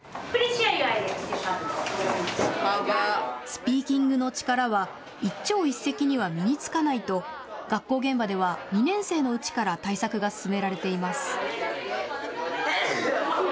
スピーキングの力は一朝一夕には身につかないと学校現場では２年生のうちから対策が進められています。